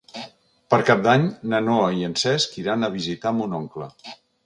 Per Cap d'Any na Noa i en Cesc iran a visitar mon oncle.